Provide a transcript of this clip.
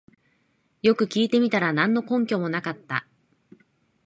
よく聞いてみたら何の根拠もなかった